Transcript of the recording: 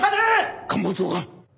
官房長官！